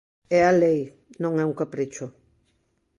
É a lei, non é un capricho.